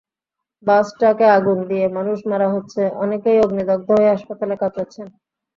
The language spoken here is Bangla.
বাস-ট্রাকে আগুন দিয়ে মানুষ মারা হচ্ছে, অনেকেই অগ্নিদগ্ধ হয়ে হাসপাতালে কাতরাচ্ছেন।